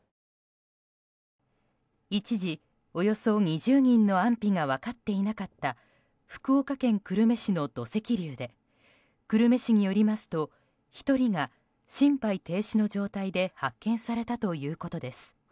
一時、およそ２０人の安否が分かっていなかった福岡県久留米市の土石流で久留米市によりますと１人が、心肺停止の状態で発見されたということです。